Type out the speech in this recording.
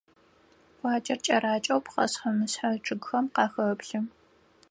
Къуаджэр кӀэракӀэу пхъэшъхьэ-мышъхьэ чъыгхэм къахэплъы.